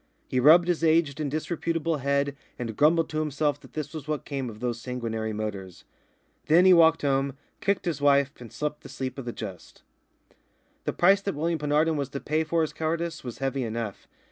He rubbed his aged and disreputable head and grumbled to himself that this was what came of those sanguinary motors. Then he walked home, kicked his wife, and slept the sleep of the just. The price that William Penarden was to pay for his cowardice was heavy enough.